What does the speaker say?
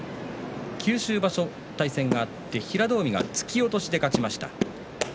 九州場所、対戦があって平戸海が突き落としで勝ちました。